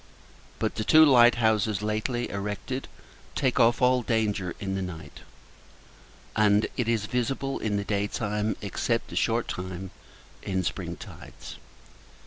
But the two light houses lately erected take off all danger in the night; and [it] is visible in the day time, except a short time in spring tides.